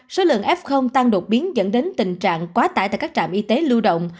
số lượng f tăng đột biến dẫn đến tình trạng quá tải tại các trạm y tế lưu động